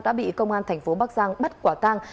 đã bị công an thành phố bắc giang bắt quả tang